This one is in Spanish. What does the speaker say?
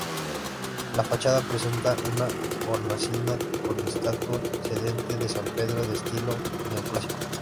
La fachada presenta una hornacina con estatua sedente de San Pedro de estilo neoclásico.